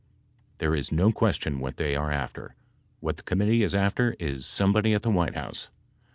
There is no question what they are after. What the Committee is after is somebody at the White House.